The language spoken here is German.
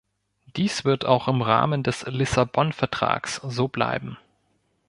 Dies wird auch im Rahmen des Lissabon-Vertrags so bleiben.